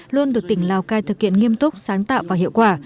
luôn được tỉnh lào cai thực hiện nghiêm túc sáng tạo và hiệu quả